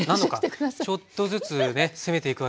ちょっとずつね攻めていくわけですね。